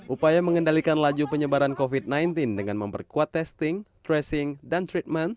upaya mengendalikan laju penyebaran covid sembilan belas dengan memperkuat testing tracing dan treatment